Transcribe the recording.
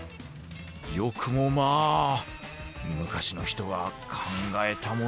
よくもまあ昔の人は考えたもんですねえ。